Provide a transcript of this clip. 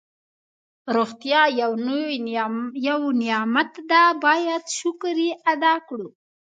روغتیا یو نعمت ده باید شکر یې ادا کړو.